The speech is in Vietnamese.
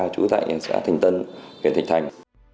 chủ tại nhà xã thành tân kể thành thành